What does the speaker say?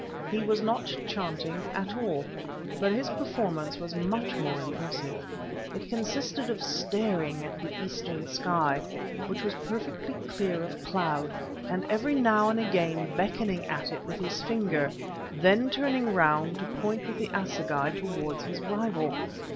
He was not chanting at all, but his performance was much more impressive. It consisted in staring at the eastern sky, which was perfectly clear of cloud, and every now and again beckoning at it with his finger, then turning round to point with the assegai towards his rival.